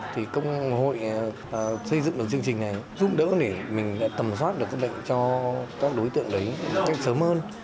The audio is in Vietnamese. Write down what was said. thì công hội xây dựng được chương trình này giúp đỡ để mình tầm soát được các bệnh cho các đối tượng đấy một cách sớm hơn